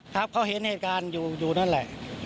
ครับเขาเห็นเหตุการณ์อยู่นั่นแหละ